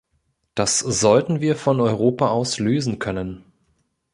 Das sollten wir von Europa aus lösen können.